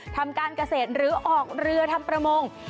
ทำการเกษตรหรือออกเรือทำประมง